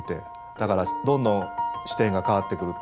だからどんどん視点が変わってくるというか。